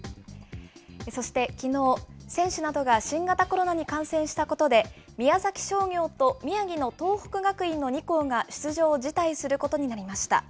そして、きのう、選手などが新型コロナに感染したことで、宮崎商業と宮城の東北学院の２校が出場を辞退することになりました。